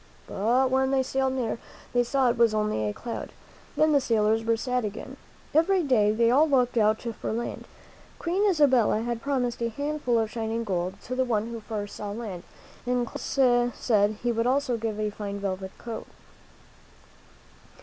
" But when they sailed near, they saw it was only a cloud. Then the sailors were sad again. Every day they all looked out for land. Queen Isabella had promised a handful of shining gold to the one who first saw land, and Columbus said he would also give a fine velvet coat.